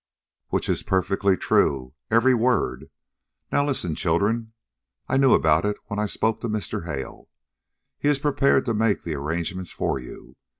"Which is perfectly true, every word. Now listen, children. I knew about it, and I spoke to Mr. Hale. He is prepared to make the arrangements for you.